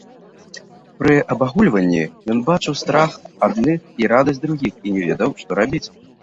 Пры абагульванні ён бачыў страх адных і радасць другіх і не ведаў, што рабіць.